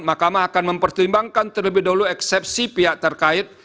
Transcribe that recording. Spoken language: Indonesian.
makamah akan mempertimbangkan terlebih dahulu eksepsi pihak terkait